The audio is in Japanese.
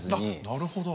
なるほど。